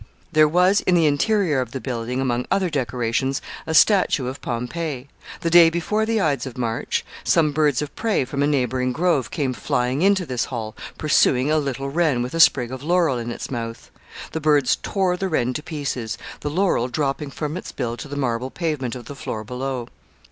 There was in the interior of the building, among other decorations, a statue of Pompey. The day before the Ides of March, some birds of prey from a neighboring grove came flying into this hall, pursuing a little wren with a sprig of laurel in its mouth. The birds tore the wren to pieces, the laurel dropping from its bill to the marble pavement of the floor below.